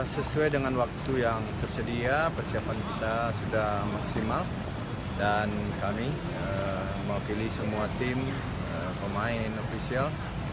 sesuai dengan waktu yang tersedia persiapan kita sudah maksimal dan kami mewakili semua tim pemain ofisial